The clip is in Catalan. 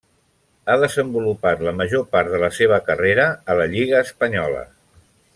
Ha desenvolupat la major part de la seva carrera a la lliga espanyola.